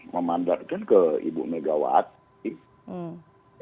memandatkan ke ibu megawati